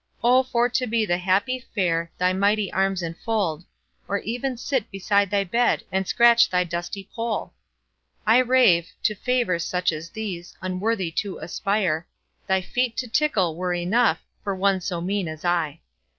O for to be the happy fair Thy mighty arms enfold, Or even sit beside thy bed And scratch thy dusty poll! I rave,—to favours such as these Unworthy to aspire; Thy feet to tickle were enough For one so mean as I.